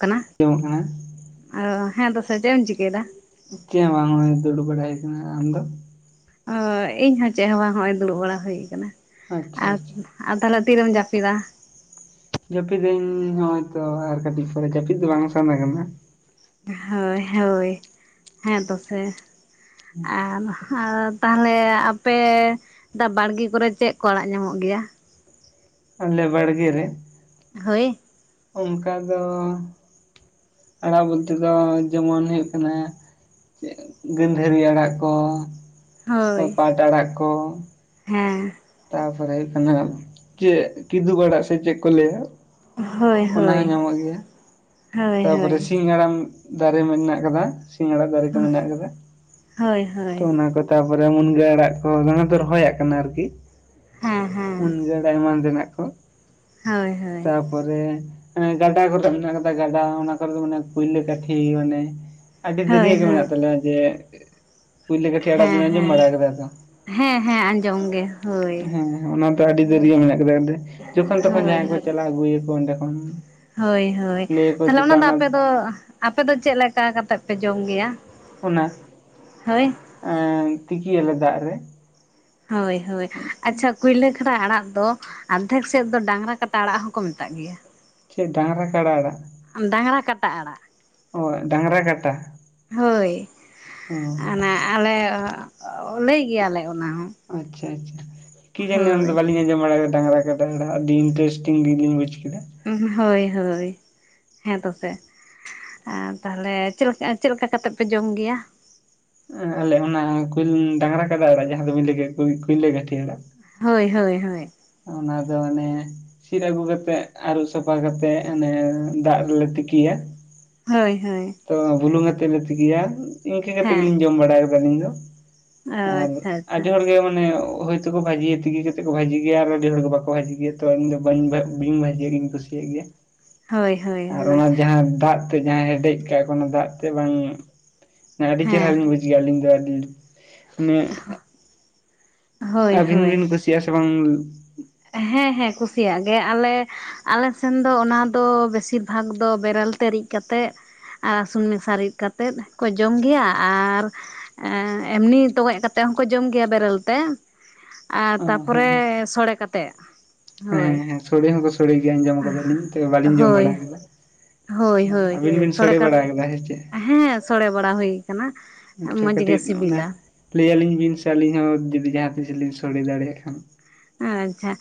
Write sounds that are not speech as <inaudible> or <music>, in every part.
ᱠᱟᱱᱟ, ᱟᱸᱡᱚᱢᱚᱜ ᱠᱟᱱᱟ ᱟᱫᱚ ᱦᱮᱸ ᱫᱚ ᱪᱮᱫ ᱮᱢ ᱪᱤᱠᱟᱹᱭᱮᱫᱟ? ᱪᱮᱫ ᱦᱚᱸᱵᱟᱝ ᱫᱩᱲᱩᱵ ᱵᱟᱲᱟ ᱦᱩᱭ ᱟᱱᱟᱱᱟ᱾ ᱟᱢ ᱫᱚ? ᱚ ᱤᱧ ᱦᱚᱸ ᱪᱮᱫ ᱦᱚᱸ ᱵᱟᱝ ᱦᱚᱸᱜᱚᱭ ᱫᱩᱲᱩᱵ ᱵᱟᱲᱟ ᱦᱩᱭ ᱟᱠᱟᱱᱟ᱾ ᱟᱪᱪᱷᱟ ᱟᱨ ᱟᱪᱪᱷᱟ ᱟᱨ ᱛᱟᱦᱚᱞᱮ ᱛᱤᱨᱮᱢ ᱡᱟᱯᱤᱫᱟ? ᱡᱟᱹᱯᱤᱫᱟᱹᱧ ᱦᱚᱸᱜᱚᱭᱛᱚ ᱟᱨ ᱠᱟᱹᱴᱤᱡ ᱯᱚᱨᱮ ᱡᱟᱹᱯᱤᱫ ᱫᱚ ᱵᱟᱝ ᱥᱟᱱᱟ ᱠᱟᱱᱟ᱾ ᱦᱳᱭ ᱦᱳᱭ ᱦᱮᱸ ᱛᱚᱥᱮ ᱟᱨ ᱟᱨ ᱛᱟᱦᱚᱞᱮ ᱟᱯᱮ ᱫᱟᱜ ᱵᱟᱲᱜᱮ ᱠᱚᱨᱮ ᱪᱮᱫ ᱠᱚ ᱟᱲᱟᱜ ᱧᱟᱢᱚᱜ ᱜᱮᱭᱟ? ᱟᱞᱮ ᱵᱟᱲᱜᱮ ᱨᱮ? ᱦᱳᱭ᱾ ᱚᱱᱠᱟ ᱫᱚ ᱟᱲᱟᱜ ᱵᱚᱞᱛᱮ ᱫᱚ ᱡᱮᱢᱚᱱ ᱦᱩᱭᱩᱜ ᱠᱟᱱᱟ ᱜᱟᱺᱫᱷᱟᱹᱨᱤ ᱟᱲᱟᱜ ᱠᱚ, ᱦᱳᱭ ᱯᱟᱴ ᱟᱲᱟᱜ ᱠᱚ, ᱦᱮᱸ ᱛᱟᱨᱯᱚᱨᱮ ᱦᱩᱭᱩᱜ ᱠᱟᱱᱟ ᱪᱮᱫ ᱠᱤᱫᱩᱵ ᱟᱲᱟᱜ ᱥᱮ ᱪᱮᱫ ᱠᱚ ᱞᱟᱹᱭᱟ᱾ ᱦᱳᱭ ᱦᱳᱭ ᱚᱱᱟᱦᱚᱸ ᱧᱟᱢᱚᱜ ᱜᱮᱭᱟ ᱦᱳᱭ ᱛᱟᱯᱚᱨᱮ ᱦᱳᱭ ᱥᱤᱧ ᱦᱟᱲᱟᱢ ᱫᱟᱨᱮ ᱢᱮᱱᱟᱜ ᱠᱟᱫᱟ᱾ ᱥᱤᱧ ᱟᱲᱟᱜ ᱫᱟᱨᱮ ᱠᱚ ᱢᱮᱱᱟᱜ ᱠᱟᱫᱟ, ᱦᱳᱭ ᱦᱳᱭ ᱛᱚ ᱚᱱᱟ ᱠᱚ ᱛᱟᱨᱯᱚᱨᱮ ᱢᱩᱱᱜᱟᱹ ᱟᱲᱟᱜ ᱠᱚ ᱚᱱᱟ ᱫᱚ ᱨᱚᱦᱚᱭᱟᱜ ᱠᱟᱱᱟ ᱟᱨᱠᱤ ᱦᱮᱸ ᱦᱮᱸ ᱢᱩᱱᱜᱟᱹ ᱟᱲᱟᱜ ᱮᱢᱟᱱ ᱛᱮᱱᱟᱜ ᱠᱚ, ᱦᱳᱭ ᱦᱳᱭ᱾ ᱛᱟᱨᱯᱚᱨᱮ ᱜᱟᱰᱟ ᱠᱚᱨᱮ ᱢᱮᱱᱟᱜ ᱠᱟᱫᱟ ᱜᱟᱰᱟ ᱚᱱᱟ ᱠᱚᱨᱮ ᱫᱚ ᱢᱟᱱᱮ ᱯᱩᱭᱞᱟᱹ ᱠᱟᱴᱷᱤ ᱢᱟᱱᱮ ᱟᱹᱰᱤ ᱦᱳᱭ ᱦᱳᱭ ᱫᱟᱹᱨᱭᱟᱹ ᱜᱮ ᱦᱮᱸ ᱢᱮᱱᱟᱜ ᱛᱟᱞᱮᱭᱟ ᱡᱮ ᱯᱩᱭᱞᱳ ᱠᱟᱹᱴᱷᱤ ᱟᱲᱟᱜ ᱵᱮᱱ ᱟᱸᱡᱚᱢ ᱦᱮᱸ ᱵᱟᱲᱟ ᱟᱠᱟᱫᱟ ᱛᱚ? ᱦᱮᱸ ᱦᱮᱸ ᱟᱸᱡᱚᱢ ᱜᱮ᱾ ᱦᱳᱭ ᱦᱮᱸ ᱚᱱᱟ ᱫᱚ ᱟᱹᱰᱤ ᱫᱟᱹᱨᱭᱟᱹ ᱜᱮ ᱢᱮᱱᱟᱜ ᱟᱠᱟᱫᱟ, ᱡᱚᱠᱷᱚᱱ ᱛᱚᱠᱷᱚᱱ ᱦᱳᱭ ᱡᱟᱦᱟᱸᱭ ᱠᱚ ᱦᱳᱭ ᱪᱟᱞᱟᱜ-ᱟ ᱟᱹᱜᱩᱭᱟ ᱠᱚ ᱚᱸᱰᱮ ᱠᱷᱚᱱ ᱦᱳᱭ ᱦᱳᱭ ᱞᱟᱹᱭᱟᱠᱚ ᱛᱟᱦᱚᱞᱮ ᱚᱱᱟ ᱪᱮᱛᱟ ᱫᱚ ᱟᱯᱮ ᱫᱚ, ᱟᱯᱮᱫᱚ ᱪᱮᱫ ᱞᱮᱠᱟ ᱠᱟᱛᱮᱜ ᱯᱮ ᱡᱚᱢ ᱜᱮᱭᱟ? ᱚᱱᱟ ᱦᱳᱭ ᱛᱤᱠᱤ ᱭᱟᱞᱮ ᱫᱟᱜ ᱨᱮ ᱦᱳᱭ ᱦᱳᱭ ᱟᱪᱪᱷᱟ ᱠᱩᱭᱞᱟᱹ ᱠᱷᱟᱰᱟ ᱟᱲᱟᱜ ᱫᱚ ᱟᱫᱷᱮᱠ ᱥᱮᱫ ᱫᱚ ᱰᱟᱝᱨᱟ ᱠᱟᱴᱟ ᱟᱲᱟᱜ ᱦᱚᱸᱠᱚ ᱢᱮᱛᱟᱜ ᱜᱮᱭᱟ, ᱪᱮᱫ ᱰᱟᱝᱨᱟ ᱠᱟᱲᱟ ᱟᱲᱟᱜ? ᱰᱟᱝᱨᱟ ᱠᱟᱴᱟ ᱟᱲᱟᱜ ᱚ ᱰᱟᱝᱨᱟ ᱠᱟᱴᱟ ᱦᱳᱭ ᱚ ᱚᱱᱟ ᱟᱞᱮ ᱞᱟᱹᱭ ᱜᱮᱭᱟᱞᱮ ᱚᱱᱟ ᱦᱚᱸ ᱟᱪᱪᱷᱟ ᱟᱪᱪᱷᱟ ᱠᱤ ᱡᱟᱹᱱᱤ ᱚᱱᱟ ᱦᱳᱭ ᱫᱚ ᱵᱟᱹᱞᱤᱧ ᱟᱸᱡᱚᱢ ᱵᱟᱲᱟ ᱠᱟᱫᱟ ᱰᱟᱝᱨᱟ ᱠᱟᱴᱟ ᱤᱱᱴᱨᱮᱥᱴᱤᱝ ᱜᱤᱧ ᱵᱩᱪ ᱠᱮᱫᱟ ᱦᱳᱭ ᱦᱳᱭ ᱦᱮᱸ ᱦᱮᱸᱛᱚᱥᱮ‌ ᱟᱨ ᱛᱟᱦᱚᱞᱮ ᱪᱮᱫ ᱞᱮᱠᱟ ᱠᱟᱛᱮᱜ ᱯᱮ ᱡᱚᱢ ᱜᱮᱭᱟ? ᱟᱞᱮ ᱚᱱᱟ ᱰᱟᱝᱨᱟ ᱠᱟᱰᱟ ᱟᱲᱟᱜ ᱡᱟᱦᱟᱸ ᱫᱚ ᱵᱤᱱ ᱞᱟᱹᱭ ᱠᱮᱫᱟ ᱠᱩᱭᱞᱟᱹ ᱜᱟᱹᱴᱷᱤ ᱟᱲᱟᱜ ᱦᱳᱭ ᱦᱳᱭ ᱦᱳᱭ ᱚᱱᱟ ᱫᱚ ᱢᱟᱱᱮ ᱥᱤᱫ ᱟᱹᱜᱩ ᱠᱟᱛᱮᱜ ᱟᱹᱨᱩᱵ ᱥᱟᱯᱷᱟ ᱠᱟᱛᱮᱫ ᱚᱱᱮ ᱫᱟᱜ ᱨᱮᱞᱮ ᱛᱤᱠᱤᱭᱟ ᱦᱳᱭ ᱦᱳᱭ ᱛᱚ ᱵᱩᱞᱩᱝ ᱠᱟᱛᱮᱜ ᱞᱮ ᱛᱤᱠᱤᱭᱟ ᱤᱱᱠᱟᱹ ᱠᱟᱛᱮᱫ ᱦᱮᱸ ᱜᱮᱞᱤᱧ ᱡᱚᱢ ᱵᱟᱲᱟᱭᱟ ᱟᱹᱞᱤᱧ ᱫᱚ ᱟᱨ ᱟᱪᱪᱷᱟ ᱟᱪᱪᱷᱟ ᱟᱹᱰᱤ ᱦᱚᱲ ᱜᱮ ᱢᱟᱱᱮ ᱦᱚᱭᱛᱚ ᱠᱳ ᱵᱷᱟᱹᱡᱤᱭᱟ ᱛᱤᱠᱤ ᱠᱟᱛᱮ ᱠᱚ ᱵᱷᱟᱹᱡᱤ ᱜᱮᱭᱟ ᱟᱨ ᱟᱹᱰᱤ ᱦᱚᱲ ᱜᱮ ᱵᱟᱠᱚ ᱵᱷᱟᱹᱡᱤ ᱜᱮᱭᱟ ᱛᱚ ᱤᱧ ᱫᱚ ᱵᱟᱹᱧ ᱵᱷᱟᱹᱡᱤᱭᱟᱜ ᱜᱤᱧ ᱠᱩᱥᱤᱭᱟᱜ ᱜᱮᱭᱟ ᱦᱳᱭ ᱦᱳᱭ ᱟᱨ ᱦᱳᱭ ᱚᱱᱟ ᱡᱟᱦᱟᱸ ᱫᱟᱜ ᱡᱟᱦᱟᱸᱭ ᱦᱮᱰᱮᱡ ᱠᱟᱜᱼᱟ ᱠᱚ ᱚᱱᱟ ᱫᱟᱜ ᱛᱮ ᱵᱟᱝ, ᱟᱹᱰᱤ ᱪᱮᱦᱚᱨᱟ ᱦᱮᱸ ᱞᱤᱧ ᱵᱩᱡᱷᱣᱟ ᱟᱹᱞᱤᱧ ᱫᱚ ᱟᱹᱞᱤᱧ ᱦᱳᱭ ᱟᱹᱵᱤᱱ ᱦᱳᱭ ᱵᱤᱱ ᱠᱩᱥᱤᱭᱟᱜᱼᱟ ᱥᱮ ᱵᱟᱝ ᱦᱮᱸ ᱦᱮᱸ ᱠᱩᱥᱤᱭᱟᱜ ᱜᱮ ᱟᱞᱮ ᱟᱞᱮᱥᱱ ᱫᱚ ᱚᱱᱟ ᱫᱚ ᱵᱮᱥᱤᱨ ᱵᱷᱟᱜᱽ ᱫᱚ ᱵᱮᱨᱮᱞ ᱛᱮ ᱨᱤᱫᱽ ᱠᱟᱛᱮᱫ ᱥᱩᱱ ᱢᱮᱥᱟ ᱨᱤᱫᱽᱠᱟᱛᱮᱫ ᱠᱚ ᱡᱚᱢ ᱜᱮᱭᱟ ᱟᱨ ᱮᱢᱱᱤ ᱛᱚᱜᱚᱡ ᱠᱟᱛᱮᱜ ᱦᱚᱸᱠᱚ ᱡᱚᱢ ᱜᱮᱭᱟ ᱵᱮᱨᱮᱞ ᱛᱮ ᱟᱨ ᱚ ᱦᱮᱸ ᱛᱟᱨᱯᱚᱨᱮ ᱥᱚᱲᱮ ᱠᱟᱛ ᱦᱮᱸ ᱦᱮᱸ ᱥᱚᱲᱮ ᱦᱚᱸᱠᱚ ᱥᱚᱲᱮᱭ ᱜᱮᱭᱟ ᱟᱸᱡᱚᱢ ᱠᱟᱫᱟᱞᱤᱧ ᱛᱚᱵᱮ ᱵᱟᱞᱤᱧ ᱡᱚᱢ ᱵᱟᱲᱟ ᱦᱳᱭ ᱠᱟᱫᱟ ᱦᱳᱭ ᱦᱳᱭ ᱟᱵᱮᱱ ᱵᱤᱱ ᱥᱚᱲᱮ ᱥᱳᱲᱮ ᱠᱟᱛ ᱵᱟᱲᱟ ᱠᱟᱫᱟ ᱥᱮᱪᱮᱫ? ᱦᱮᱸ ᱥᱚᱲᱮ ᱵᱟᱲᱟ ᱦᱩᱭ ᱟᱠᱟᱱᱟ ᱟᱪᱪᱷᱟ ᱢᱚᱡᱽ ᱜᱮ ᱠᱟᱹᱴᱤᱡ ᱚᱱᱟ ᱥᱤᱵᱤᱞᱟ ᱞᱟᱹᱭ ᱟᱹᱞᱤᱧ ᱵᱮᱱ ᱥᱮ ᱟᱹᱞᱤᱧ ᱦᱚᱸ ᱡᱩᱫᱤ ᱡᱟᱦᱟᱸ ᱛᱤᱥ ᱞᱤᱧ ᱥᱳᱲᱮ ᱫᱟᱲᱮᱭᱟᱜ ᱠᱷᱟᱱ ᱟᱪᱪᱷᱟ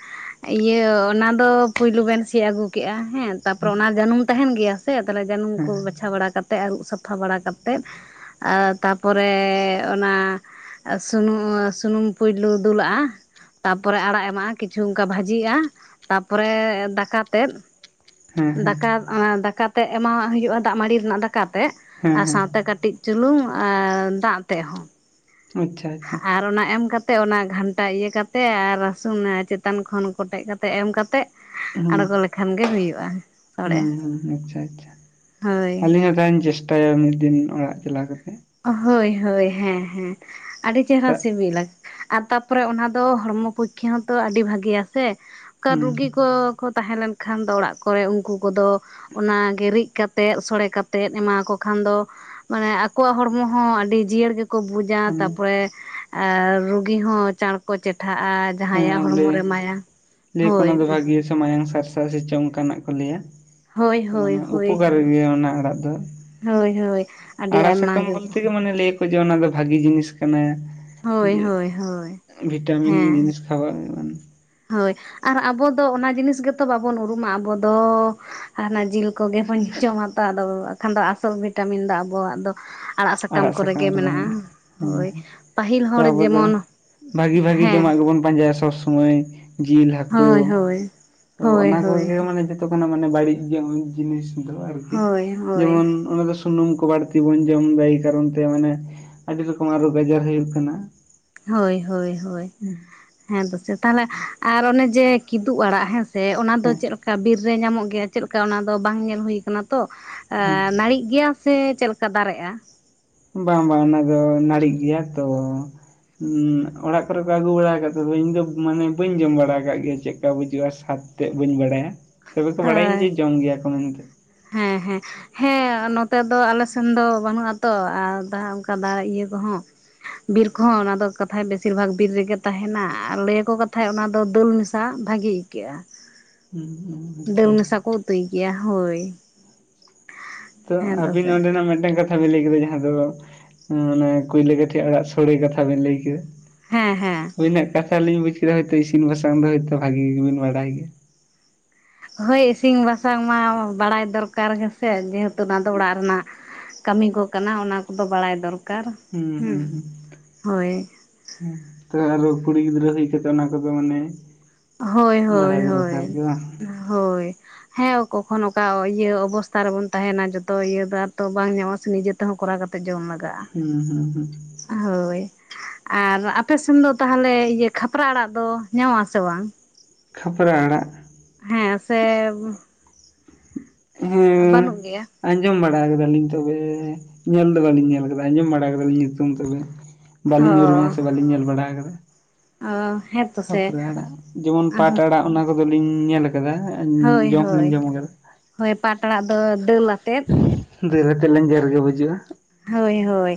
ᱤᱭᱟᱹ ᱚᱱᱟ ᱫᱚ ᱯᱩᱭᱞᱩ ᱵᱮᱱ ᱥᱤᱫᱽ ᱟᱹᱜᱩ ᱠᱮᱫᱼᱟ ᱦᱮᱸ ᱛᱟᱨᱯᱚᱨᱮ ᱚᱱᱟ ᱡᱟᱹᱱᱩᱢ ᱛᱟᱦᱮᱱ ᱜᱮᱭᱟ ᱥᱮᱮ ᱡᱟᱹᱱᱩᱢ ᱦᱮᱸ ᱠᱚ ᱵᱟᱪᱷᱟᱣ ᱵᱟᱲᱟ ᱠᱟᱛᱮᱜ ᱟᱹᱨᱩᱵ ᱥᱟᱯᱷᱟ ᱵᱟᱲᱟᱛᱮᱫ ᱟᱨ ᱛᱟᱨᱯᱚᱨᱮ ᱚᱱᱟ ᱟᱨ ᱥᱩᱱᱩᱢ ᱥᱩᱱᱩᱢ ᱯᱩᱭᱞᱩ ᱫᱩᱞᱟᱜᱼᱟ ᱛᱟᱯᱚᱨᱮ ᱟᱲᱟᱜ ᱮᱢᱟᱜᱼᱟ ᱠᱤᱪᱷᱩ ᱚᱱᱠᱟ ᱵᱷᱟᱹᱡᱤᱜᱼᱟ ᱛᱟᱯᱚᱨᱮ ᱫᱟᱠᱟ ᱛᱮᱫ ᱦᱮᱸ ᱦᱮᱸ ᱫᱟᱠᱟ ᱚᱱᱟ ᱫᱟᱠᱟᱛᱮ ᱮᱢᱟᱣᱟᱜ ᱦᱩᱭᱩᱜᱼᱟ ᱫᱟᱜ ᱢᱲᱤ ᱨᱮᱱᱟᱜ ᱫᱟᱠᱟᱛᱮ ᱦᱮᱸ ᱟᱨ ᱦᱮᱸ ᱥᱟᱶᱛᱮ ᱠᱟᱹᱴᱤᱡ ᱪᱩᱞᱩᱝ ᱟᱨ ᱫᱟᱜ ᱛᱮ ᱦᱚᱸ ᱟᱪᱷᱟ ᱟᱨ ᱚᱱᱟ ᱮᱢ ᱠᱟᱛᱮᱫ ᱠᱟᱛᱮ ᱚᱱᱟ ᱜᱷᱟᱱᱴᱟ ᱤᱭᱟᱹ ᱠᱟᱛᱮ ᱟᱨ ᱨᱟᱹᱥᱩᱱ ᱪᱮᱛᱟᱱ ᱠᱷᱚᱱ ᱠᱚᱴᱮᱡ ᱠᱟᱛᱮ ᱮᱢ ᱠᱟᱛᱮ ᱦᱩᱸ ᱟᱬᱜᱚ ᱞᱮᱠᱷᱟᱱ ᱜᱮ ᱦᱩᱭᱩᱜᱼᱟ ᱥᱚᱲᱮ ᱦᱩᱸ ᱦᱩᱸ ᱟᱪᱪᱷᱟ ᱟᱪᱪᱷᱟ ᱦᱳᱭ ᱟᱹᱞᱤᱧ ᱦᱟᱛᱷᱟ ᱞᱧ ᱪᱮᱥᱴᱟᱭᱟ ᱢᱤᱫ ᱫᱤᱱ ᱚᱲᱟᱜ ᱪᱟᱞᱟᱣ ᱠᱟᱛᱮ ᱦᱳᱭ ᱦᱳᱭ ᱦᱮᱸ ᱦᱮᱸ ᱟᱹᱰᱤ ᱪᱮᱨᱦᱨᱟ ᱪᱮᱫᱟᱜ ᱥᱤᱵᱤᱞᱟ ᱟᱨ ᱛᱟᱯᱚᱨᱮ ᱚᱱᱟ ᱫᱚ ᱦᱚᱲᱢᱚ ᱯᱚᱠᱠᱷᱟ ᱦᱚᱸᱛᱚ ᱟᱹᱰᱤ ᱵᱷᱟᱹᱜᱮᱭᱟ ᱥᱮᱠᱟ ᱦᱩᱸ ᱨᱩᱜᱤ ᱠᱚ ᱠᱚ ᱛᱟᱦᱮᱸ ᱞᱮᱱ ᱠᱷᱟᱱ ᱫᱚ ᱚᱲᱟᱜ ᱠᱚᱨᱮ ᱩᱱᱠᱩ ᱠᱚᱫᱚ ᱚᱱᱟᱜᱮ ᱨᱤᱫ ᱠᱟᱛᱮᱜ ᱥᱚᱲᱮ ᱠᱟᱛᱮᱜ ᱮᱢᱟᱠᱚ ᱠᱷᱟᱱ ᱫᱚ ᱢᱟᱱᱮ ᱟᱠᱚᱣᱟᱜ ᱦᱚᱲᱢᱚ ᱦᱚᱸ ᱟᱹᱰᱤ ᱡᱤᱭᱟᱹᱲ ᱜᱮᱠᱚ ᱵᱩᱡᱟ ᱚᱱᱮ ᱛᱟᱯᱚᱨᱮ ᱟᱨ ᱨᱩᱜᱤ ᱦᱚᱸ ᱪᱟᱬᱠᱚ ᱪᱮᱴᱷᱟᱜᱼᱟ ᱡᱟᱦᱟᱸᱟᱭᱭᱟᱜ ᱦᱮᱸ ᱦᱚᱲᱢᱚ ᱞᱟᱹᱭ ᱨᱮ ᱮᱢᱟᱭᱟ ᱞᱟᱹᱭᱟᱠᱚ ᱦᱳᱭ ᱚᱱᱟ ᱫᱚ ᱵᱷᱟᱹᱜᱤᱭᱟ ᱢᱟᱭᱟᱝ ᱥᱟᱨᱥᱟ ᱥᱮ ᱪᱚᱝ ᱚᱱᱠᱟᱱᱟᱜ ᱠᱚ ᱞᱟᱹᱭᱟᱹ ᱦᱳᱭ ᱦᱳᱭ ᱦᱳᱭ ᱩᱚᱯᱚᱠᱟᱨ ᱾ ᱦᱩᱭᱩᱜ ᱜᱮᱭᱟ ᱚᱱᱟ ᱟᱲᱟᱜ ᱫᱚ ᱦᱳᱭ ᱦᱳᱭ ᱟᱹᱰᱤ ᱟᱲᱟᱜ ᱟᱭᱢᱟ ᱥᱟᱠᱟᱢ ᱜᱮ ᱵᱚᱞᱛᱮ ᱞᱟᱹᱭ ᱟᱠᱚ ᱡᱮ ᱚᱱᱟ ᱫᱚ ᱵᱷᱟᱜᱤ ᱡᱤᱱᱤᱥ ᱠᱟᱱᱟ ᱦᱳᱭ ᱡᱮ ᱦᱳᱭ ᱦᱳᱭ ᱵᱷᱤᱴᱟᱢᱤᱱ ᱦᱮᱸ ᱡᱤᱱᱤᱥ ᱥᱟᱵᱟᱜ ᱧᱚᱜ ᱠᱟᱱᱟ ᱾ ᱦᱳᱭ ᱟᱨ ᱟᱵᱚ ᱫᱚ ᱚᱱᱟ ᱡᱤᱱᱤᱥ ᱜᱮᱛᱚ ᱵᱟᱵᱚᱱ ᱩᱨᱩᱢᱟ ᱟᱵᱚ ᱫᱚ, ᱟᱨ ᱚᱱᱟ ᱡᱤᱞ ᱠᱚᱜᱮᱵᱚᱱ ᱡᱚᱢ ᱦᱟᱛᱟᱣᱟ ᱟᱫᱚ ᱵᱟᱠᱷᱟᱱ ᱫᱚ ᱟᱥᱚᱞ ᱵᱷᱤᱴᱟᱢᱤᱱ ᱫᱚ ᱟᱵᱚᱣᱟᱜ ᱫᱚ ᱟᱲᱟᱜ ᱥᱟᱠᱟᱢ ᱠᱚᱨᱮ ᱜᱮ ᱢᱮᱱᱟᱜᱼᱟ ᱦᱳᱭ ᱯᱟᱹᱦᱤᱞ ᱛᱚ ᱦᱚᱲ ᱟᱵᱚ ᱫᱚ ᱡᱮᱢᱚᱱ ᱵᱷᱟᱜᱤ ᱵᱷᱟᱜᱤ ᱡᱚᱢᱟᱜ ᱦᱮᱸ ᱜᱮᱵᱚᱱ ᱯᱟᱸᱡᱟᱭᱟ ᱥᱚᱵᱽ ᱥᱳᱢᱚᱭ, ᱡᱤᱞ ᱦᱟᱹᱠᱩ ᱦᱳᱭ ᱦᱳᱭ ᱛᱚ ᱦᱳᱭ ᱚᱱᱟ ᱦᱳᱭ ᱠᱚᱜᱮ ᱢᱟᱱᱮ, ᱛᱟᱵᱚᱱᱟ ᱢᱟᱱᱮ ᱵᱟᱹᱲᱤᱡ ᱡᱤᱱᱤᱥ ᱫᱚ ᱟᱨᱠᱤ ᱦᱳᱭ ᱦᱳᱭ ᱡᱮᱢᱚᱱ ᱚᱱᱟ ᱫᱚ ᱥᱩᱱᱩᱢ ᱠᱚ ᱵᱟᱹᱲᱛᱤ ᱵᱚᱱ ᱡᱚᱢ ᱮᱫᱟ ᱮᱭ ᱠᱟᱨᱚᱱ ᱛᱮ ᱢᱟᱱᱮ ᱟᱹᱰᱤ ᱨᱚᱠᱚᱢ ᱨᱳᱜ ᱟᱡᱟᱨ ᱦᱩᱭᱩᱜ ᱠᱟᱱᱟ ᱾ ᱦᱳᱭ ᱦᱳᱭ ᱦᱳᱭ ᱦᱮᱸ ᱫᱚᱥᱮ ᱛᱟᱦᱚᱞᱮ ᱟᱨ ᱚᱱᱮ ᱡᱮ ᱠᱤᱫᱩ ᱟᱲᱟᱜ ᱦᱮᱸ ᱥᱮ ᱚᱱᱟ ᱫᱚ ᱦᱮᱸ ᱪᱮᱫ ᱞᱮᱠᱟ ᱵᱤᱨ ᱨᱮ ᱧᱟᱢᱚᱜ ᱜᱮᱭᱟ ᱪᱮᱫ ᱞᱮᱠᱟ ᱚᱱᱟ ᱫᱚ ᱵᱟᱝ ᱧᱮᱞ ᱦᱩᱭ ᱠᱟᱱᱟ ᱛᱚ, ᱦᱮᱸ ᱱᱟᱹᱲᱤᱜ ᱜᱮᱭᱟ ᱥᱮ ᱪᱮᱫ ᱞᱮᱠᱟ ᱫᱟᱨᱮᱜᱼᱟ ᱾ ᱵᱟᱝ ᱵᱟᱝ ᱚᱱᱟ ᱫᱚ ᱱᱟᱹᱲᱤᱜ ᱜᱮᱭᱟ ᱛᱚ, ᱚᱲᱟᱜ ᱠᱚᱨᱮ ᱠᱚ ᱟᱹᱜᱩ ᱵᱟᱲᱟ ᱟᱠᱟᱫ ᱛᱚ ᱤᱧ ᱫᱚ ᱢᱟᱱᱮ ᱵᱟᱹᱧ ᱡᱚᱢ ᱵᱟᱲᱟ ᱟᱠᱟᱫ ᱜᱮᱭᱟ ᱪᱮᱫᱞᱠᱟ ᱵᱩᱡᱩᱜᱼᱟ ᱥᱟᱫ, ᱛᱮᱫ ᱵᱟᱹᱧ ᱵᱟᱲᱟᱭᱟ ᱛᱚᱵᱮ ᱠᱚ ᱵᱟᱲᱟᱭᱟᱹᱧ ᱦᱳᱭ ᱡᱮ ᱡᱚᱢ ᱜᱮᱭᱟ ᱠᱚ ᱢᱮᱱᱛᱮ, ᱦᱮᱸ ᱦᱮᱸ ᱾ ᱦᱮᱸ ᱱᱚᱛᱮ ᱫᱚ ᱟᱞᱮ ᱥᱮᱱ ᱫᱚ ᱵᱟᱹᱱᱩᱜ ᱟᱛᱚ ᱟᱨ ᱫᱟ, ᱫᱟ ᱤᱭᱟᱹ ᱠᱚᱦᱚᱸ ᱵᱤᱨ ᱠᱚᱦᱚᱸ ᱚᱱᱟ ᱫᱚ ᱠᱟᱛᱷᱟᱡ ᱵᱮᱥᱤᱨ ᱵᱷᱟᱜ ᱵᱤᱨ ᱨᱮᱜᱮ ᱛᱟᱦᱮᱱᱟ ᱟᱨ ᱞᱟᱹᱭᱟᱠᱚ ᱠᱟᱛᱷᱟᱡ ᱚᱱᱟ ᱫᱚ ᱫᱟᱹᱞ ᱢᱤᱥᱟ, ᱥᱟ ᱵᱷᱟᱜᱤ ᱟᱹᱭᱠᱟᱹᱜᱼᱟ ᱾ ᱟᱪᱪᱷᱟ ᱟᱪᱪᱷᱟ ᱰᱟᱹᱞ ᱢᱮᱥᱟ ᱠᱚ ᱩᱛᱩᱭ ᱜᱮᱭᱟ ᱦᱳᱭ ᱾ ᱛᱚ ᱟᱵᱤᱱ ᱥᱮ ᱱᱚᱸᱰᱮ ᱱᱟᱜ ᱢᱤᱫᱴᱟᱝ ᱠᱟᱛᱷᱟ, ᱠᱟᱛᱷᱟ ᱵᱮᱤᱱ ᱞᱟᱹᱭ ᱠᱮᱫᱟ ᱡᱟᱦᱟᱸ ᱫᱚᱠᱚ ᱠᱩᱭᱞᱟᱹ ᱠᱟᱹᱴᱷᱤ ᱟᱲᱟᱜ ᱥᱳᱲᱮ ᱠᱟᱛᱷᱟ ᱵᱮᱤᱱ ᱞᱟᱹᱭ ᱠᱮᱫᱟ ᱾ ᱦᱮᱸ ᱦᱮᱸ ᱾ ᱟᱹᱵᱤᱱᱟᱜ ᱠᱟᱛᱷᱟ ᱞᱤᱧ ᱵᱩᱡ ᱠᱮᱫᱟ ᱦᱚᱭᱛᱳ ᱤᱥᱤᱱ ᱵᱟᱥᱟᱝ ᱫᱚ ᱦᱳᱭᱛᱳ ᱵᱷᱟᱜᱤ ᱜᱮᱵᱤᱱ ᱵᱟᱰᱟᱭ ᱜᱮᱭᱟ ᱾ ᱦᱳᱭ ᱤᱥᱤᱱ ᱵᱟᱥᱟᱝ ᱢᱟ ᱵᱟᱲᱟᱭ ᱫᱚᱨᱠᱟᱨ ᱦᱮᱸᱥᱮ ᱡᱮᱦᱮᱛᱩ ᱚᱱᱟ ᱫᱚ ᱚᱲᱟᱜ ᱨᱮᱱᱟᱜ ᱠᱟᱹᱢᱤ ᱠᱚ ᱠᱟᱱᱟ ᱚᱱᱟ ᱠᱚᱫᱚ ᱵᱟᱲᱟᱭ ᱫᱚᱨᱠᱟᱨ ᱦᱩᱸ ᱦᱳᱭ, ᱦᱩᱸ ᱛᱚ ᱟᱨᱚ ᱠᱩᱲᱤ ᱜᱤᱫᱽᱨᱟᱹ ᱦᱩᱭ ᱠᱟᱛᱮᱜ ᱚᱱᱟ ᱠᱚᱫᱚ ᱢᱟᱱᱮ, ᱦᱳᱭ, ᱵᱟᱲᱟᱭ ᱦᱳᱭ, ᱫᱚᱨᱠᱟᱨ ᱦᱳᱭ, ᱜᱮ ᱵᱟᱝ ᱦᱳᱭ ᱾ ᱦᱮᱸ ᱠᱚᱠᱷᱚᱱ ᱚᱠᱟ ᱤᱭᱟᱹ ᱚᱵᱚᱥᱛᱟ ᱨᱮᱵᱚᱱ ᱛᱟᱦᱮᱱᱟ ᱡᱚᱛᱚ ᱤᱭᱟᱹ ᱫᱚ ᱟᱨ ᱛᱚ ᱵᱟᱝ ᱧᱟᱢᱚᱜ ᱥᱮ ᱱᱤᱡᱮ, ᱛᱮ ᱦᱚᱸ ᱠᱚᱨᱟᱣ ᱠᱟᱛᱮᱫ ᱡᱚᱢ ᱮᱸ ᱦᱮᱸ ᱦᱩᱸ ᱦᱩᱸ ᱾ ᱦᱳᱭ ᱾ ᱟᱨ ᱟᱯᱮ ᱥᱮᱱ ᱫᱚ ᱛᱟᱦᱚᱞᱮ ᱤᱭᱟᱹ ᱠᱷᱟᱯᱨᱟ ᱟᱲᱟᱜ ᱫᱚ ᱧᱟᱢᱚᱜ ᱟᱥᱮ ᱵᱟᱝ? ᱠᱷᱟᱯᱨᱟ ᱟᱲᱟᱜ, ᱦᱮᱸ ᱥᱮ, ᱦᱮᱸ ᱵᱟᱹᱱᱩᱜ ᱜᱮᱭᱟ ᱾ ᱟᱸᱡᱚᱢ ᱵᱟᱲᱟ ᱠᱮᱫᱟᱞᱤᱧ ᱛᱚᱵᱮ ᱧᱮᱞ ᱫᱚ ᱵᱟᱞᱤᱧ ᱧᱮᱞ ᱟᱠᱟᱫᱟ ᱟᱸᱡᱚᱢ ᱵᱟᱲᱟ ᱠᱮᱫᱟᱞᱤᱧ ᱧᱩᱛᱩᱢ ᱛᱚᱵᱮ, ᱵᱟᱹᱞᱤᱧ ᱩᱨᱩᱢᱟ ᱚ ᱥᱮ ᱵᱟᱞᱤᱧ ᱧᱮᱞ ᱵᱟᱲᱟ ᱟᱠᱟᱫᱟ ᱾ ᱚ ᱦᱮᱸ ᱛᱚ ᱥᱮ ᱠᱷᱟᱯᱨᱟ ᱟᱲᱟᱜ ᱡᱮᱢᱚᱱ ᱯᱟᱴ ᱟᱲᱟᱜ ᱚᱱᱟ ᱠᱚᱫᱚᱞᱤᱧ ᱧᱮᱞ ᱟᱠᱟᱫᱟ ᱾ ᱦᱳᱭ ᱦᱳᱭ ᱦᱳᱭ ᱯᱟᱴ ᱟᱲᱟᱜ ᱫᱚ ᱫᱟᱹᱞ ᱟᱛᱮᱫ ᱾ ᱫᱟᱹᱞ ᱟᱛᱮᱜ ᱞᱮᱧᱡᱮᱨ ᱜᱮ ᱵᱩᱡᱩᱜᱼᱟ ᱾ ᱦᱳᱭ ᱦᱳᱭ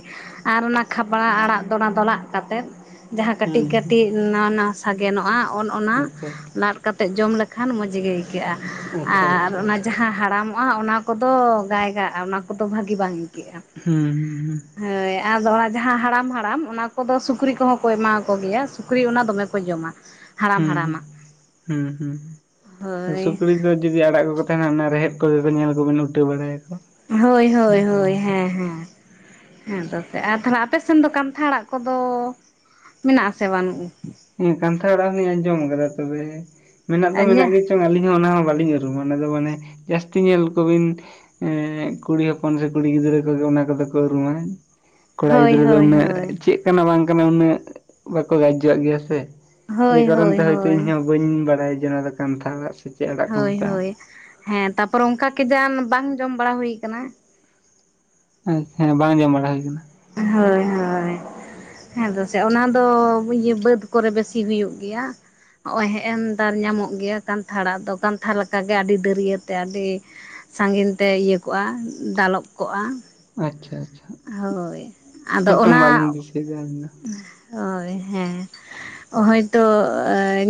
ᱟᱨ ᱚᱱᱟ ᱠᱷᱟᱯᱨᱟ ᱟᱲᱟᱜ ᱫᱚ ᱚᱱᱟ ᱫᱚ ᱞᱟᱜ ᱠᱟᱛᱮᱫ, ᱡᱟᱦᱟᱸ ᱠᱟᱹᱴᱤᱡ ᱦᱩᱸ ᱠᱟᱹᱴᱤᱡ ᱱᱟᱣᱟ ᱱᱟᱣᱟ ᱥᱟᱜᱮᱱᱚᱜᱼᱟ ᱚᱱ ᱚᱱᱟ ᱟᱪᱪᱷᱟ ᱞᱟ ᱠᱟᱛᱮᱫ ᱡᱚᱢ ᱞᱮᱠᱷᱟᱱ ᱢᱚᱡᱽ ᱜᱮ ᱟᱹᱭᱠᱟᱹᱜᱼᱟ ᱟᱪᱪᱷᱟ ᱟᱨ ᱟᱪᱪᱷᱟ ᱚᱱᱟ ᱟᱪᱪᱷᱟ ᱡᱟᱦᱟᱸ ᱦᱟᱲᱟᱢ, ᱢᱚᱜᱼᱟ ᱚᱱᱟ ᱠᱚᱫᱚ ᱜᱟᱭ ᱜᱟᱜᱼᱟ ᱚᱱᱟ ᱠᱚᱫᱚ ᱵᱷᱟᱹᱜᱤ ᱵᱟᱝ ᱟᱹᱭᱠᱟᱹᱜᱼᱟ ᱾ ᱦᱩᱸ ᱦᱩᱸ ᱦᱩᱸ ᱾ ᱦᱳᱭ ᱟᱫᱚ ᱚᱱᱟ ᱡᱟᱦᱟᱸ ᱦᱟᱲᱟᱢ ᱦᱟᱲᱟᱢ ᱚᱱᱟ ᱠᱚᱫᱚ ᱥᱩᱠᱨᱤ ᱠᱚᱦᱚᱸ ᱠᱚ ᱮᱢᱟ ᱠᱚ ᱜᱮᱭᱟ ᱥᱩᱠᱨᱤ ᱚᱱᱟ ᱫᱚᱢᱮ, ᱠᱚ ᱡᱚᱢᱟ ᱾ ᱦᱩᱸ ᱦᱩᱸ ᱦᱩᱸ ᱦᱳᱭ ᱥᱩᱠᱲᱤ ᱫᱚ ᱡᱩᱫᱤ ᱟᱲᱟᱜ ᱠᱚᱠᱚ ᱛᱟᱦᱮᱱᱟ ᱚᱱᱟ ᱨᱮᱦᱮᱫ ᱠᱚᱜᱮ ᱠᱚ ᱧᱮᱞ ᱠᱚᱵᱤᱱ ᱩᱴᱟᱹ ᱵᱟᱲᱟᱭᱟᱠᱚ ᱦᱳᱭ ᱦᱳᱭ ᱦᱳᱭ ᱡᱚᱢᱟᱠᱚ ᱦᱮᱸ ᱦᱮᱸ ᱦᱮᱸ ᱛᱮᱫ ᱟᱨ ᱛᱟᱦᱚᱞᱮ ᱟᱯᱮ ᱥᱮᱱ ᱫᱚ ᱠᱟᱱᱛᱷ ᱟᱲᱟᱜ ᱠᱚᱫᱚ ᱢᱮᱱᱟᱜ ᱟᱥᱮ ᱵᱟᱹᱱᱩᱜᱼᱟ ᱦᱮᱸ ᱠᱟᱱᱛᱷᱟᱲ ᱟᱲᱟᱜ ᱦᱚᱸ ᱡᱚᱢ ᱟᱠᱟᱫᱟ ᱛᱚᱵᱮ ᱢᱮᱱᱟᱜ ᱫᱚ ᱧᱮ ᱢᱮᱱᱟᱜ ᱜᱮ ᱟᱹᱞᱤᱧ ᱦᱚᱸ ᱚᱱᱟ ᱦᱚᱸ ᱵᱟᱹᱞᱤᱧ ᱩᱨᱩᱢᱟ ᱚᱱᱟ ᱫᱚ ᱢᱟᱱᱮ ᱡᱟᱹᱥᱛᱤ ᱧᱮᱞ ᱠᱚᱵᱤᱱ ᱮ ᱠᱩᱲᱤ ᱦᱚᱯᱚᱱ ᱥᱮ ᱠᱩᱲᱤ ᱜᱤᱫᱽᱨᱟᱹ ᱠᱚᱜᱮ ᱚᱱᱟ ᱠᱚᱫᱚ ᱠᱚ ᱩᱨᱩᱢᱟ ᱠᱚᱲᱟ ᱦᱳᱭ ᱜᱤᱫᱽᱨᱟᱹ ᱫᱚ ᱦᱳᱭ ᱩᱱᱟᱹᱜ ᱦᱳᱭ ᱪᱮᱫ ᱠᱟᱱᱟ ᱵᱟᱝ ᱠᱟᱱᱟ ᱩᱱᱟᱹᱜ ᱵᱟᱠᱚ <unintelligible> ᱜᱮᱭᱟ ᱥᱮ, ᱮᱭ ᱦᱳᱭ ᱠᱟᱨᱚᱱ ᱦᱳᱭ ᱛᱮ ᱦᱚᱭᱛᱚ ᱤᱧᱦᱚ ᱦᱳᱭ ᱵᱟᱹᱧ ᱵᱟᱲᱟᱭ ᱡᱮᱱᱚ ᱠᱟᱱᱛᱷᱟ ᱟᱲᱟᱜ ᱦᱳᱭ ᱦᱳᱭ ᱦᱮᱸ ᱛᱟᱯᱚᱨᱮ ᱚᱱᱠᱟ ᱠᱮ ᱡᱟᱱ ᱵᱟᱝ ᱡᱚᱢ ᱵᱟᱲᱟ ᱦᱩᱭ ᱟᱠᱟᱱᱟ ᱦᱮᱸ ᱵᱟᱝ ᱡᱚᱢ ᱵᱟᱲᱟ ᱦᱩᱭ ᱟᱠᱟᱱᱟ ᱦᱳᱭ ᱦᱳᱭ ᱦᱮᱸ ᱫᱚ ᱥᱮ ᱚᱱᱟ ᱫᱚ ᱤᱭᱟᱹ ᱵᱟᱹᱫᱽ ᱠᱚᱨᱮ ᱵᱮᱥᱤ ᱦᱩᱭᱩᱜ ᱜᱮᱭᱟ ᱱᱚᱜᱼᱚᱭ ᱦᱮᱸ ᱱᱮᱜᱼᱛᱟᱨ ᱧᱟᱢᱚᱜ ᱜᱮᱭᱟ ᱠᱟᱱᱛᱷᱟ ᱟᱲᱟᱜ ᱫᱚ ᱠᱟᱱᱛᱷᱟ ᱞᱮᱠᱟᱜᱮ ᱟᱹᱰᱤ ᱫᱟᱹᱨᱭᱟᱹᱛᱮ ᱟᱹᱰᱤ ᱥᱟᱺᱜᱤᱧ ᱛᱮ ᱤᱭᱟᱹ ᱠᱚᱜᱼᱟ ᱫᱟᱞᱚᱵ ᱠᱚᱜᱼᱟ ᱟᱪᱪᱷᱟ ᱟᱪᱪᱷᱟ ᱦᱳᱭ ᱟᱫᱚ ᱦᱮᱸ ᱪᱚᱝ ᱚᱱᱟ ᱵᱟᱹᱞᱤᱧ ᱫᱤᱥᱟᱹᱭᱮᱫᱟ ᱟᱹᱞᱤᱧ ᱫᱚ ᱦᱳᱭ ᱦᱮᱸ ᱦᱳᱭᱛᱳ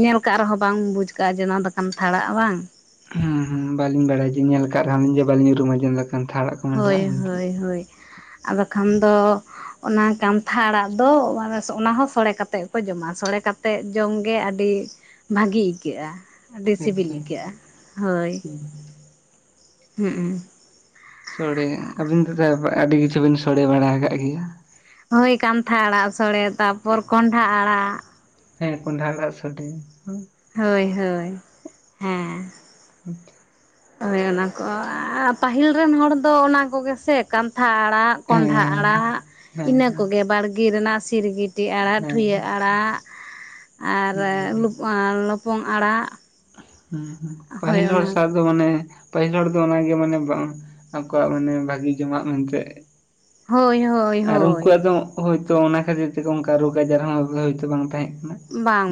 ᱧᱮᱞ ᱠᱟᱜ ᱨᱮᱦᱚᱸ ᱵᱟᱝ ᱵᱩᱡ ᱠᱟᱜᱼᱟ ᱡᱮ ᱱᱚᱣᱟ ᱫᱚ ᱠᱟᱱᱛᱷᱟ ᱟᱲᱟᱜ ᱵᱟᱝ ᱦᱩᱸ ᱦᱩᱸ ᱵᱟᱹᱞᱤᱧ ᱵᱟᱲᱟᱭ ᱡᱮ ᱧᱮᱞ ᱟᱠᱟᱫ ᱨᱮᱦᱚᱞᱤᱧ ᱡᱮ ᱵᱟᱞᱤᱧ ᱩᱨᱩᱢᱟ ᱡᱮ ᱱᱚᱣᱟ ᱠᱟᱱᱛᱷᱟ ᱟᱲᱟᱜ ᱦᱳᱭ ᱦᱳᱭ ᱦᱳᱭ ᱟᱨ ᱵᱟᱠᱷᱟᱱ ᱫᱚ ᱚᱱᱟ ᱠᱟᱱᱛᱷᱟ ᱟᱲᱟᱜ ᱫᱚ ᱚᱱᱟᱦᱚ ᱥᱳᱲᱮ ᱠᱟᱛᱮᱜ ᱠᱚ ᱡᱚᱢᱟ ᱥᱳᱲᱮ ᱠᱟᱛᱮᱜ ᱡᱚᱢᱜᱮ ᱟᱹᱰᱤ ᱵᱷᱟᱹᱜᱮ ᱟᱹᱭᱠᱟᱹᱜᱼᱟ ᱟᱹᱰᱤ ᱥᱤᱵᱤᱞ ᱟᱪᱪᱷᱟ ᱟᱹᱭᱠᱟᱹᱜᱼᱟ ᱦᱳᱭ ᱦᱩᱸ ᱦᱮᱸᱸ ᱥᱳᱲᱮ ᱟᱹᱵᱤᱱ ᱛᱚ ᱟᱹᱰᱤ ᱠᱤᱪᱷᱩ ᱵᱤᱱ ᱥᱳᱲᱮ ᱵᱟᱲᱟ ᱟᱠᱟᱫ ᱜᱮᱭᱟ ᱦᱩᱭ ᱠᱟᱱᱛᱷᱟ ᱟᱲᱟᱜ ᱥᱚᱲᱮ ᱛᱟᱨᱯᱚᱨ ᱠᱚᱸᱰᱷᱟ ᱟᱲᱟᱜ ᱦᱮᱸ ᱠᱚᱸᱰᱷᱟ ᱟᱲᱟᱜ ᱥᱳᱲᱮ ᱦᱳᱭ ᱦᱳᱭ ᱦᱮᱸ ᱟᱪᱪᱷᱟ ᱦᱳᱭ ᱚᱱᱟᱠᱚ ᱯᱟᱹᱦᱤᱞ ᱨᱮᱱ ᱦᱚᱲ ᱫᱚ ᱚᱱᱟ ᱠᱚᱜᱮ ᱥᱮ ᱠᱟᱱᱛᱷᱟ ᱟᱲᱟᱜ ᱠᱚᱸᱰᱷᱟ ᱦᱮᱸ ᱟᱲᱟᱜ ᱦᱮᱸ ᱤᱱᱟᱹ ᱦᱮᱸ ᱠᱚᱜᱮ ᱵᱟᱲᱜᱮ ᱨᱮᱱᱟᱜ ᱥᱤᱨᱜᱤ ᱴᱤ ᱟᱲᱟᱜ ᱦᱮᱸ ᱴᱷᱩᱭᱟᱹ ᱟᱲᱟᱜ ᱟᱨ ᱚᱱᱟ ᱞᱚᱯᱚᱝ ᱟᱲᱟᱜ ᱦᱩᱸ ᱦᱩᱸ ᱦᱳᱭ ᱯᱟᱹᱦᱤᱞ ᱦᱚᱲ ᱚᱱᱟ ᱥᱟᱶ ᱢᱟᱱᱮ ᱯᱟᱹᱦᱤᱞ ᱦᱚᱲ ᱫᱚ ᱚᱱᱟᱜᱮ ᱢᱟᱱᱮ ᱵᱟᱝ ᱟᱠᱚᱣᱟᱜ ᱢᱟᱱᱮ ᱵᱷᱟᱜᱤ ᱡᱚᱢᱟᱜ ᱢᱮᱱᱛᱮᱜ ᱦᱳᱭ ᱦᱳᱭ ᱟᱨ ᱦᱳᱭ ᱩᱱᱠᱩᱣᱟᱜ ᱫᱚ ᱦᱳᱭᱛᱚ ᱚᱱᱟ ᱠᱷᱟᱛᱤᱨ ᱛᱮᱠᱚ ᱚᱱᱠᱟ ᱨᱳᱜᱽ ᱟᱡᱟᱨ ᱦᱚᱸ ᱦᱳᱭᱛ ᱵᱟᱝ ᱛᱟᱦᱮᱸ ᱠᱟᱱᱟ᱾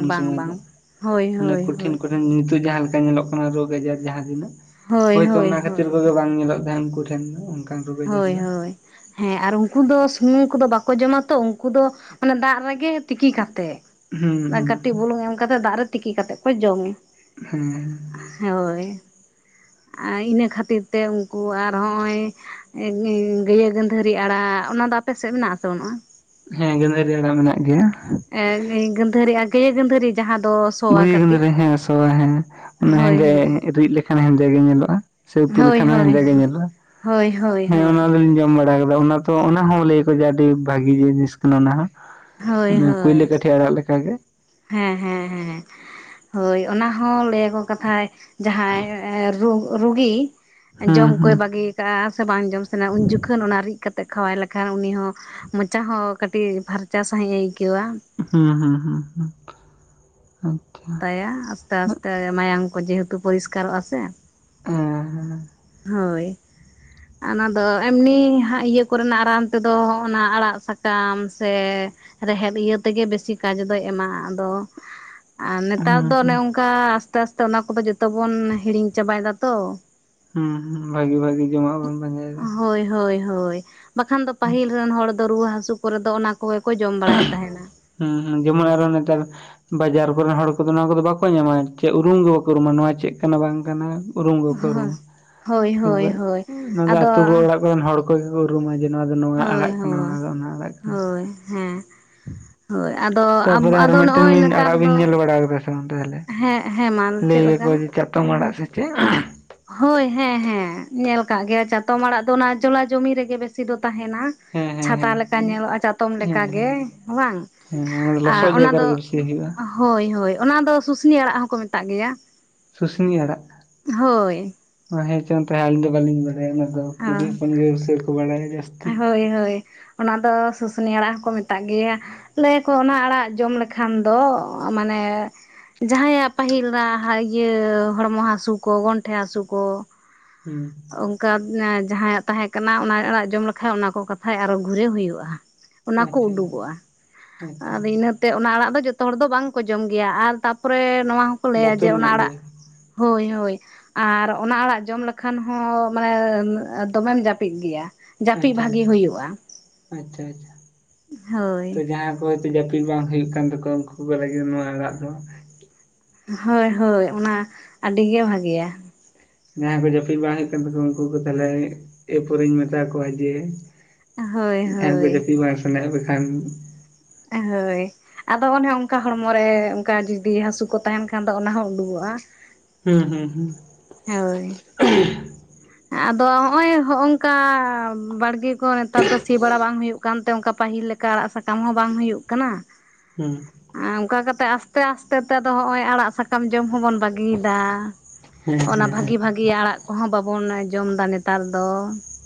ᱩᱱ ᱵᱟᱝ ᱥᱚᱢᱚᱭ ᱫᱚ, ᱵᱟᱝ ᱦᱳᱭ ᱚᱱᱮ ᱦᱳᱭ ᱠᱚᱴᱷᱤᱱ ᱦᱳᱭ ᱠᱚ ᱱᱤᱛᱚᱜ ᱡᱟᱦᱟᱸ ᱞᱮᱠᱟ ᱧᱮᱞᱚᱜ ᱠᱟᱱᱟ ᱨᱳᱜᱽ ᱟᱡᱟᱨ ᱡᱟᱦᱟᱸ ᱛᱤᱱᱟᱹᱜ ᱦᱳᱭ ᱦᱳᱭᱛᱳ ᱦᱳᱭ ᱚᱱᱟ ᱠᱷᱟᱹᱛᱤᱨ ᱦᱳᱭ ᱠᱚᱜᱮ ᱵᱟᱝ ᱧᱮᱞᱚᱜ ᱛᱟᱦᱮᱸᱱ ᱩᱱᱠᱩ ᱴᱷᱮᱱ ᱫᱚ ᱚᱱᱠᱟᱱ ᱨᱳᱜᱽ ᱟᱡᱟᱨ ᱦᱳᱭ ᱫᱚ ᱦᱳᱭ ᱦᱮᱸ ᱟᱨ ᱩᱱᱠᱩ ᱫᱚ ᱥᱩᱱᱩᱢ ᱠᱚᱫᱚ ᱵᱟᱠᱚ ᱡᱚᱢᱟ ᱛᱚ᱾ ᱩᱱᱠᱩ ᱫᱚ ᱢᱟᱱᱮ ᱫᱟᱜ ᱨᱮᱜᱮ ᱛᱤᱠᱤ ᱠᱟᱛᱮᱜ ᱦᱩᱸ ᱟᱨ ᱦᱩᱸ ᱠᱟᱹᱴᱤᱡ ᱵᱩᱞᱩᱝ ᱮᱢ ᱠᱟᱛᱮᱫ ᱫᱟᱜ ᱨᱮ ᱛᱤᱠᱤ ᱠᱟᱛᱮᱜ ᱠᱚ ᱡᱚᱢᱟ᱾ ᱦᱮᱸ ᱦᱳᱭ ᱟᱨ ᱤᱱᱟᱹ ᱠᱷᱟᱹᱛᱤᱨ ᱛᱮ ᱩᱱᱠᱩ ᱟᱨ ᱦᱚᱸᱜᱼᱚᱭ <unintelligible> ᱜᱟᱹᱭᱟᱹ ᱜᱟᱹᱫᱷᱟᱹᱨᱤ ᱟᱲᱟᱜ ᱚᱱᱟᱫᱚ ᱟᱯᱮᱥᱮᱫ ᱢᱮᱱᱟᱜ-ᱟ ᱥᱮ ᱵᱟᱹᱱᱩᱜᱼᱟ? ᱦᱮᱸ ᱜᱟᱹᱫᱟᱹᱨᱤ ᱟᱲᱟᱜ ᱢᱮᱱᱟᱜ ᱜᱮᱭᱟ᱾ ᱮᱸᱜ ᱜᱟᱹᱫᱷᱟᱹᱨᱤ ᱜᱟᱹᱭᱟᱹ ᱜᱟᱹᱫᱷᱟᱹᱨᱤ ᱡᱟᱦᱟᱸ ᱫᱚᱥ ᱜᱩᱭᱟᱹᱜᱟᱹᱫᱷᱟᱹᱨᱤ ᱦᱮ ᱱᱚᱣᱟ ᱦᱮ ᱚᱱᱮ ᱦᱳᱭ ᱦᱮᱸᱫᱮ ᱦᱳᱭ ᱨᱤᱫᱽ ᱞᱮᱠᱷᱟᱱ ᱦᱮᱸᱫᱮ ᱜᱮ ᱧᱮᱞᱚᱜᱼᱟ ᱥᱮ ᱩᱛᱩ ᱦᱳᱭ ᱞᱮᱠᱷᱟᱱ ᱦᱚ ᱦᱳᱭ ᱦᱮᱸᱫᱮ ᱜᱮ ᱧᱮᱞᱚᱜᱼᱟ, ᱦᱳᱭ ᱦᱳᱭ ᱦᱮᱸ ᱚᱱᱟ ᱦᱳᱭ ᱫᱚᱞᱤᱧ ᱡᱚᱢ ᱵᱟᱲᱟ ᱠᱟᱫᱟ ᱛᱚ ᱚᱱᱟ ᱦᱚᱸ ᱞᱟᱹᱭᱟᱠᱚ ᱡᱮ ᱟᱹᱰᱤ ᱵᱷᱟᱜᱤ ᱡᱤᱱᱤᱥ ᱠᱟᱱᱟ ᱚᱱᱟ ᱦᱳᱭ ᱦᱚᱸ ᱠᱩᱭᱞᱟᱹ ᱦᱳᱭ ᱠᱟᱹᱴᱷᱤ ᱟᱲᱟᱜ ᱞᱮᱠᱟᱜᱮ ᱦᱮᱸ ᱦᱮᱸ ᱦᱮᱸ ᱦᱳᱭ ᱚᱱᱟ ᱦᱚᱸ ᱞᱟᱹᱭ ᱟᱠᱚ ᱠᱟᱛᱷᱟᱡ ᱡᱟᱦᱟᱸᱭ ᱨᱩ ᱨᱩᱜᱤ ᱦᱩᱸ ᱡᱚᱢ ᱠᱚᱭ ᱦᱩᱸ ᱵᱟᱜᱤ ᱠᱟᱜᱼᱟ ᱥᱮ ᱵᱟᱝ ᱡᱚᱢ ᱥᱟᱱᱟ ᱩᱱ ᱡᱚᱠᱷᱚᱱ ᱚᱱᱟ ᱨᱤᱫ ᱠᱟᱛᱮ ᱠᱷᱟᱣᱟᱭ ᱞᱮᱠᱷᱟᱱ ᱩᱱᱤ ᱦᱚᱸ ᱢᱚᱪᱟ ᱦᱚᱸ ᱠᱟᱹᱴᱤᱡ ᱯᱷᱟᱨᱪᱟ ᱥᱟᱹᱦᱤᱡ ᱮ ᱟᱹᱭᱠᱟᱹᱣᱟ᱾ ᱦᱩᱸ ᱦᱩᱸ ᱦᱩᱸ ᱦᱩᱸ ᱟᱪᱪᱷᱟ <unintelligible> ᱟᱥᱛᱮ ᱟᱥᱛᱮ ᱢᱟᱭᱟᱢ ᱠᱚ ᱡᱮᱦᱮᱛᱩ ᱯᱚᱨᱤᱥᱠᱟᱨᱚᱜᱼᱟ ᱥᱮ ᱦᱮᱸ ᱦᱮᱸ ᱦᱮᱸ ᱦᱳᱭ ᱚᱱᱟᱫᱚ ᱮᱢᱱᱤ ᱦᱟᱸᱜ ᱤᱭᱟᱹ ᱠᱚᱨᱮᱱᱟᱜ ᱨᱟᱱ ᱛᱮᱫᱚ ᱚᱱᱟ ᱟᱲᱟᱜ ᱥᱟᱠᱟᱢ ᱥᱮ ᱨᱮᱦᱮᱫ ᱤᱭᱟᱹ ᱛᱮᱜᱮ ᱵᱮᱥᱤ ᱠᱟᱡᱽ ᱫᱚᱭ ᱮᱢᱟ ᱟᱫᱚ ᱟᱨ ᱦᱩᱸ ᱱᱮᱛᱟᱨ ᱦᱩᱸ ᱫᱚ ᱚᱱᱮ ᱦᱩᱸ ᱚᱱᱠᱟ ᱟᱥᱛᱮ ᱟᱥᱛᱮ ᱚᱱᱟ ᱠᱚᱫᱚ ᱡᱚᱛᱚ ᱵᱚᱱ ᱦᱤᱲᱤᱧ ᱪᱟᱵᱟᱭ ᱫᱟ ᱛᱚ ᱦᱩᱸ ᱦᱩᱸ ᱵᱷᱟᱜᱤ ᱵᱷᱟᱜᱤ ᱡᱚᱢᱟᱜ ᱵᱚᱱ ᱯᱟᱡᱟᱭ, ᱦᱳᱭ ᱦᱳᱭ ᱦᱳᱭ ᱵᱟᱠᱷᱟᱱ ᱫᱚ ᱯᱟᱹᱦᱤᱞ ᱨᱮᱱ ᱦᱚᱲ ᱫᱚ ᱨᱩᱣᱟᱹ ᱦᱟᱹᱥᱩ ᱠᱚᱨᱮ ᱫᱚ ᱚᱱᱟ, ᱠᱚᱜᱮ ᱠᱚ ᱡᱚᱢ ᱵᱟᱲᱟᱭᱮᱫ ᱛᱟᱦᱮᱸᱫ ᱦᱩᱸ ᱦᱩᱸ ᱡᱮᱢᱚᱱ ᱟᱨᱚ ᱱᱮᱛᱟᱨ ᱵᱟᱡᱟᱨ ᱠᱚᱨᱮᱱ ᱦᱚᱲ ᱠᱚᱫᱚ ᱱᱚᱶᱟ ᱠᱚᱫᱚ ᱵᱟᱠᱚ ᱧᱟᱢᱟ ᱪᱮᱫ ᱩᱨᱩᱢ ᱜᱮ ᱵᱟᱠᱚ ᱩᱨᱩᱢᱟ ᱱᱚᱶᱟ ᱪᱮᱫ ᱠᱟᱱᱟ ᱵᱟᱝ ᱠᱟᱱᱟ᱾ ᱩᱨᱩᱢ ᱵᱟᱠᱚ ᱠᱚ ᱨᱩᱢᱟ ᱦᱳᱭ ᱢᱟ ᱦᱳᱭ ᱛᱚᱵᱮ ᱦᱳᱭ ᱱᱚᱰᱮ ᱟᱫᱚ ᱟᱹᱛᱩ ᱠᱚ ᱚᱲᱟᱜ ᱠᱚᱨᱮᱱ ᱦᱚᱲ ᱠᱚᱜᱮ ᱠᱚ ᱩᱨᱩᱢᱟ ᱡᱮ ᱱᱚᱣᱟ ᱫᱚ ᱱᱚᱣᱟ ᱦᱳᱭ ᱟᱲᱟᱜ ᱠᱟᱱᱟ, ᱦᱳᱭ ᱚᱱᱟ ᱫᱚ ᱚᱱᱟ ᱟᱲᱟᱜ ᱠᱟᱱᱟ᱾ ᱦᱳᱭ ᱦᱮᱸ ᱦᱳᱭ ᱟᱫᱚ ᱛᱟᱯᱚᱨᱮ ᱟᱨᱦᱚ ᱟᱫᱚ ᱢᱤᱫ ᱴᱮᱱ ᱱᱚᱜᱼᱚᱭ ᱵᱤᱱ ᱱᱮᱛᱟᱨ ᱟᱲᱟᱜ ᱵᱤᱱ ᱫᱚ ᱧᱮᱞ ᱵᱟᱲᱟ ᱠᱟᱫᱟ ᱥᱮ ᱵᱟᱝ ᱛᱟᱦᱞᱮ ᱦᱮᱸ ᱦᱮᱸ ᱢᱟ ᱞᱟᱹᱭ ᱪᱮᱫ ᱟᱠᱚ ᱞᱮᱠᱟ ᱡᱮ ᱪᱟᱛᱚᱢ ᱟᱲᱟᱜ ᱥᱮ ᱪᱮᱫ? ᱦᱳᱭ ᱦᱮᱸ ᱦᱮᱸ ᱧᱮᱞ ᱠᱟᱜ ᱜᱮᱭᱟ ᱪᱟᱛᱚᱢ ᱟᱲᱟᱜ ᱫᱚ ᱚᱱᱟ ᱡᱚᱞᱟ ᱡᱚᱢᱤ ᱨᱮᱜᱮ ᱵᱮᱥᱤ ᱫᱚ ᱛᱟᱦᱮᱱᱟ, ᱦᱮᱸ ᱦᱮᱸ ᱪᱷᱟᱛᱟ ᱦᱮᱸ ᱞᱮᱠᱟ ᱧᱮᱞᱚᱜᱼᱟ ᱪᱟᱛᱚᱢ ᱦᱮᱸ ᱞᱮᱠᱟᱜᱮ ᱵᱟᱝ, ᱦᱮᱸ ᱦᱮᱸ ᱚᱱᱟ ᱫᱚ ᱞᱚᱥᱚᱫ ᱟᱨ ᱚᱱᱟ ᱡᱟᱭᱜᱟ ᱫᱚ ᱨᱮᱜᱮ ᱵᱮᱥᱤ ᱦᱩᱭᱩᱜᱼᱟ᱾ ᱦᱳᱭ ᱦᱳᱭ ᱚᱱᱟ ᱫᱚ ᱥᱩᱥᱱᱤ ᱟᱲᱟᱜ ᱦᱚᱸᱠᱚ ᱢᱮᱛᱟᱜ ᱜᱮᱭᱟ᱾ ᱥᱩᱥᱱᱤ ᱟᱲᱟᱜ ᱦᱳᱭ ᱦᱮᱸ ᱪᱚᱝ ᱛᱟᱦᱚᱞᱮ ᱟᱹᱞᱤᱧ ᱫᱚ ᱵᱟᱹᱞᱤᱧ ᱵᱟᱲᱟ ᱚᱱᱮ ᱚᱱᱟ ᱫᱚ ᱠᱩᱲᱤ ᱦᱚᱯᱚᱱ ᱜᱮ ᱵᱮᱥᱤ ᱠᱚ ᱵᱟᱲᱟᱭᱟ᱾ ᱡᱟᱹᱥᱛᱤ ᱦᱳᱭ ᱦᱳᱭ ᱚᱱᱟ ᱫᱚ ᱥᱩᱥᱱᱤ ᱟᱲᱟᱜ ᱦᱚᱸᱠᱚ ᱢᱮᱛᱟᱜ ᱜᱮᱭᱟ, ᱞᱟᱹᱭ ᱟᱠᱚ ᱚᱱᱟ ᱟᱲᱟᱜ ᱡᱚᱢ ᱞᱮᱠᱷᱟᱱ ᱫᱚ ᱢᱟᱱᱮ ᱡᱟᱦᱟᱸᱭᱟᱜ ᱯᱟᱹᱦᱤᱞ ᱫᱟᱜ ᱤᱭᱟᱹ ᱦᱚᱲᱢᱚ ᱦᱟᱹᱥᱩ ᱠᱚ ᱜᱚᱱᱴᱷᱮ ᱦᱟᱹᱥᱩ ᱠᱚ ᱦᱩᱸ ᱚᱱᱠᱟ ᱡᱟᱦᱟᱸᱭᱟᱜ ᱛᱟᱦᱮᱸ ᱠᱟᱱᱟ ᱚᱱᱟ ᱟᱲᱟᱜ ᱡᱚᱢ ᱞᱮᱠᱷᱟ ᱚᱱᱟ ᱠᱚ ᱠᱟᱛᱷᱟᱡ ᱟᱨᱚ ᱜᱷᱩᱨᱮ ᱦᱩᱭᱩᱜᱼᱟ ᱚᱱᱟ ᱠᱚ ᱟᱪᱪᱷᱟ ᱩᱰᱩᱠᱚᱜᱼᱟ ᱟᱪᱪᱷᱟ ᱟᱨ ᱤᱱᱟᱹᱛᱮ ᱚᱱᱟ ᱟᱲᱟᱜ ᱫᱚ ᱡᱚᱛᱚ ᱦᱚᱲ ᱫᱚ ᱵᱟᱝ ᱠᱚ ᱡᱚᱢ ᱜᱮᱭᱟ ᱟᱨ ᱛᱟᱯᱚᱨᱮ ᱱᱚᱣᱟ ᱠᱚ ᱞᱟᱹᱭᱟ ᱡᱮ ᱵᱚᱛᱚᱨ ᱚᱱᱟ ᱧᱚᱜ ᱟᱲᱟᱜ ᱜᱮᱭᱟ ᱦᱳᱭ ᱦᱳᱭ ᱟᱨ ᱚᱱᱟ ᱟᱲᱟᱜ ᱡᱚᱢ ᱞᱮᱠᱷᱟᱱ ᱦᱚᱸ ᱢᱟᱱᱮ ᱫᱚᱢᱮᱢ ᱡᱟᱹᱯᱤᱫ ᱜᱮᱭᱟ ᱡᱟᱹᱯᱤᱫ ᱟᱪᱪᱷᱟ ᱟᱪᱪᱷᱟ ᱵᱷᱟᱜᱤ ᱦᱩᱭᱩᱜᱼᱟ ᱟᱪᱪᱷᱟ ᱟᱪᱪᱷᱟ ᱛ ᱦᱳᱭ ᱡᱟᱦᱟᱸ ᱦᱚᱭᱛᱳ ᱡᱟᱹᱯᱤᱫ ᱵᱟᱝ ᱦᱩᱭᱩᱜ ᱠᱟᱱ ᱛᱟᱠᱚᱣᱟ ᱩᱱᱠᱩ ᱠᱚ ᱞᱟᱹᱜᱤᱫ ᱱᱚᱣᱟ ᱟᱲᱟᱜ ᱫᱚ ᱦᱳᱭ ᱦᱳᱭ ᱚᱱᱟ ᱟᱹᱰᱤ ᱜᱮ ᱵᱷᱟᱜᱮᱭᱟ ᱡᱟᱦᱟᱸᱭ ᱠᱚ ᱡᱟᱹᱯᱤᱫ ᱵᱟᱝ ᱦᱩᱭᱩᱜ ᱠᱟᱱ ᱛᱟᱠᱚᱣᱟ ᱩᱱᱠᱩ ᱠᱚ ᱛᱟᱦᱞᱮ ᱮᱨᱯᱚᱨᱮᱧ ᱢᱮᱛᱟ ᱠᱚᱣᱟ ᱡᱮ ᱦᱳᱭ ᱡᱟᱦᱟᱸᱭ ᱫᱚ ᱦᱳᱭ ᱡᱟᱹᱯᱤᱫ ᱵᱟᱝ ᱥᱟᱱᱟᱭᱮᱫ ᱯᱮᱠᱷᱟᱱ ᱮ ᱦᱳᱭ ᱟᱫᱚ ᱚᱱᱮ ᱚᱱᱠᱟ ᱦᱚᱲᱢᱚᱨᱮ ᱚᱱᱠᱟ ᱡᱩᱫᱤ ᱦᱟᱥᱩ ᱠᱚ ᱛᱟᱦᱮᱸᱱ ᱠᱷᱟᱱ ᱫᱚ ᱚᱱᱟ ᱦᱚᱸ ᱩᱰᱩᱠᱚᱜᱼᱟ᱾ ᱦᱩᱸ ᱦᱩᱸ ᱦᱩᱸ ᱦᱳᱭ ᱟᱫᱚ ᱦᱚᱜ ᱚᱭ ᱦᱚᱼᱚᱝᱠᱟ ᱵᱟᱲᱜᱮ ᱠᱚ ᱱᱮᱛᱟᱨ ᱫᱚ ᱥᱤ ᱵᱟᱲᱟ ᱵᱟᱝ ᱦᱩᱭᱩᱜ ᱠᱟᱱ ᱛᱮ ᱚᱱᱠᱟ ᱯᱟᱹᱦᱤᱞ ᱞᱮᱠᱟ ᱚᱱᱠᱟ ᱟᱲᱟᱜ ᱥᱟᱠᱟᱢ ᱦᱚᱸ ᱵᱟᱝ ᱦᱩᱭᱩᱜ ᱠᱟᱱᱟ ᱦᱮᱸ ᱚᱱᱠᱟ ᱠᱟᱛᱮᱜ ᱟᱥᱛᱮ ᱟᱥᱛᱮ ᱛᱮᱫᱚ ᱦᱚᱸᱜ ᱚᱭ ᱟᱲᱟᱜ ᱥᱟᱠᱟᱢ ᱡᱚᱢ ᱦᱚᱸᱵᱚᱱ ᱵᱟᱹᱜᱤᱭ ᱫᱟ ᱦᱮᱸ ᱚᱱᱟ ᱦᱮᱸ ᱦᱮᱸ ᱵᱷᱟᱜᱤ ᱵᱷᱟᱜᱤ ᱟᱲᱟᱜ ᱠᱚᱦᱚᱸ ᱵᱟᱵᱚᱱ ᱡᱚᱢ ᱫᱟ ᱱᱮᱛᱟᱨ ᱫᱚ